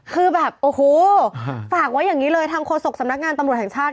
คือแบบโอ้โหฝากไว้อย่างนี้เลยทางโฆษกสำนักงานตำรวจแห่งชาติ